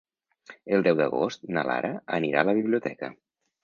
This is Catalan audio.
El deu d'agost na Lara anirà a la biblioteca.